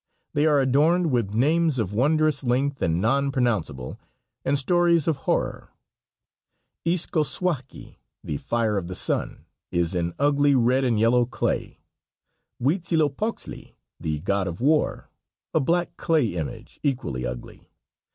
They are adorned with names of wondrous length and non pronounceable, and stories of horror. Izcozauhqui (the Fire of the Sun) is in ugly red and yellow clay; Huitzilopoxtli (the God of War), a black clay image, equally ugly.